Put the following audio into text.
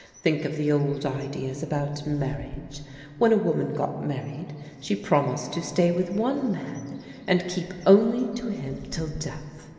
Think of the old ideas about marriage. When a woman got married she promised to stay with one man and keep only to him till death.